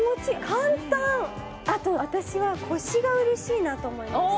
簡単あと私は腰が嬉しいなと思います